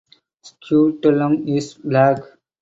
Scutellum is black.